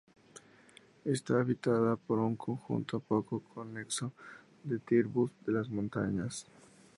Está habitada por un conjunto poco conexo de tribus de las montañas.